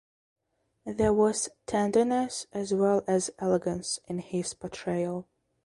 There was "tenderness as well as elegance" in his portrayal.